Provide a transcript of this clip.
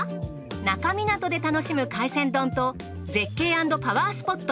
那珂湊で楽しむ海鮮丼と絶景＆パワースポット